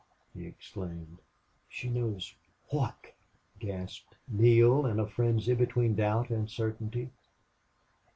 he exclaimed. "She knows what?" gasped Neale, in a frenzy between doubt and certainty.